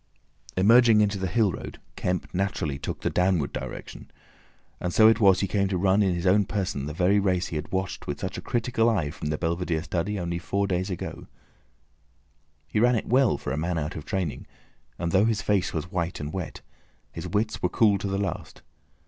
Emerging into the hill road, Kemp naturally took the downward direction, and so it was he came to run in his own person the very race he had watched with such a critical eye from the belvedere study only four days ago. He ran it well, for a man out of training, and though his face was white and wet, his wits were cool to the last.